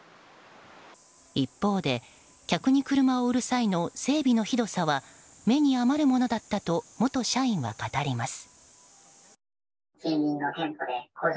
一方で客に車を売る際の整備のひどさは目に余るものだったと元社員は語ります。